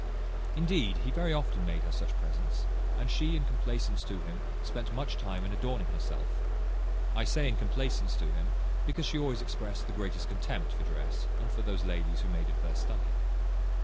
Indeed, he very often made her such presents; and she, in complacence to him, spent much time in adorning herself. I say in complacence to him, because she always exprest the greatest contempt for dress, and for those ladies who made it their study.